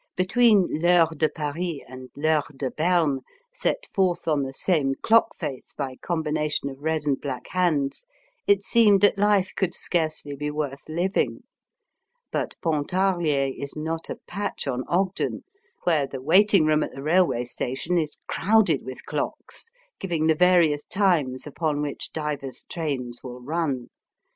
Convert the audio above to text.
Between Vheure de Paris and Vheure de Bernej set forth on the same clock face by combination of red and black hands, it seemed that life could scarcely be worth living. But Pontarlier is not a patch on Ogden, where the waiting room at the railway station is crowded with clocks, giving the various times upon which divers trains will run.